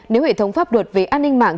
nếu hệ thống pháp luật về an ninh mạng